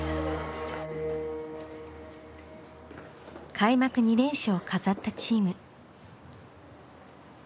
開幕２連勝を飾ったチーム。